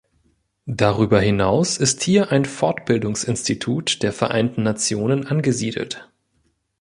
Darüber hinaus ist hier ein Fortbildungs-Institut der Vereinten Nationen angesiedelt.